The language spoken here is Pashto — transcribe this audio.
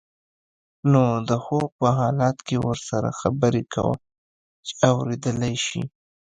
نو د خوب په حالت کې ورسره خبرې کوه چې اوریدلی شي.